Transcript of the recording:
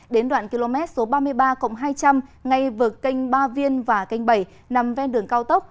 đến đoạn km số ba mươi ba hai trăm linh ngay vượt kênh ba viên và kênh bảy nằm ven đường cao tốc